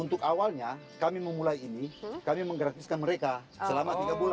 untuk awalnya kami memulai ini kami menggratiskan mereka selama tiga bulan